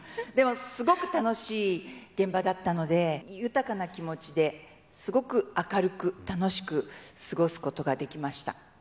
でも、すごく楽しい現場だったので、豊かな気持ちで、すごく明るく、楽しく、過ごすことができました。